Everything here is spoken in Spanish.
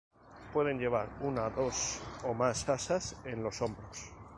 Puede llevar una, dos o más asas en los hombros.